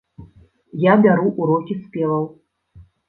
Я бяру ўрокі спеваў.